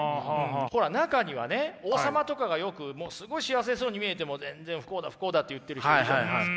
ほら中にはね王様とかがよくすごい幸せそうに見えても全然「不幸だ不幸だ」って言ってる人いるじゃないですか。